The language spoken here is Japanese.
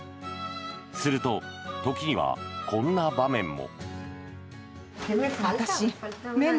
すると、時にはこんな場面も。